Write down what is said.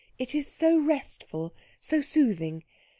"It is so restful, so soothing.